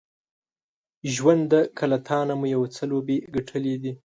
ژونده که له تانه مو یو څو لوبې ګټلې دي